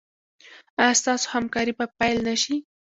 ایا ستاسو همکاري به پیل نه شي؟